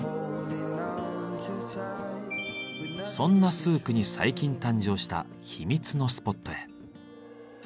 そんなスークに最近誕生した秘密のスポットへ。